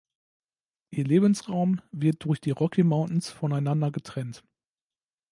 Ihr Lebensraum wird durch die Rocky Mountains voneinander getrennt.